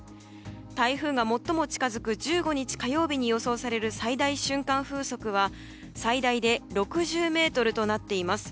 台風が最も近づく１５日、火曜日に予想される最大瞬間風速は最大で６０メートルとなっています。